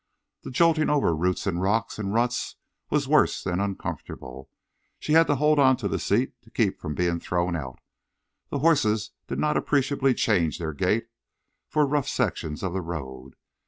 The jolting over roots and rocks and ruts was worse than uncomfortable. She had to hold on to the seat to keep from being thrown out. The horses did not appreciably change their gait for rough sections of the road.